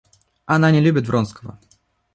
Она не любит Вронского.